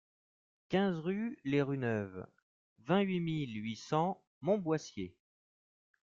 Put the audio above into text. quinze rue Les Rues Neuves, vingt-huit mille huit cents Montboissier